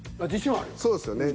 そうですよね。